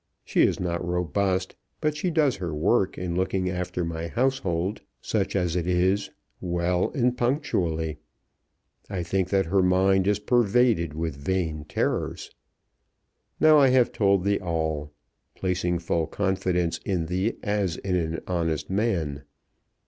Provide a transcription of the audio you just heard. She is not robust, but she does her work in looking after my household, such as it is, well and punctually. I think that her mind is pervaded with vain terrors. Now I have told thee all, placing full confidence in thee as in an honest man.